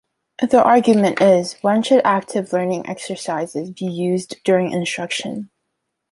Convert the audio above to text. The argument is "when should active learning exercises be used during instruction?".